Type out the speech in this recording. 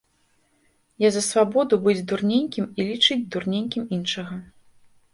Я за свабоду быць дурненькім і лічыць дурненькім іншага.